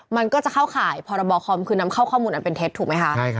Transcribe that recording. มันก็จะเข้าข่ายพรบคอมคือนำเข้าข้อมูลอันเป็นเท็จถูกไหมคะ